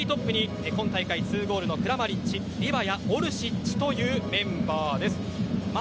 ３トップに今回初スタメンのクラマリッチ、リヴァヤオルシッチというメンバーです。